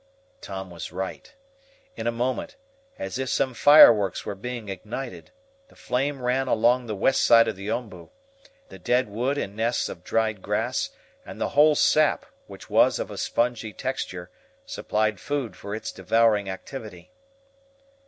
Tom was right. In a moment, as if some fireworks were being ignited, the flame ran along the west side of the OMBU; the dead wood and nests of dried grass, and the whole sap, which was of a spongy texture, supplied food for its devouring activity.